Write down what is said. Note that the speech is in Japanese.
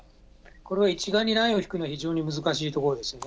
これは一概にラインを引くのは、非常に難しいところですね。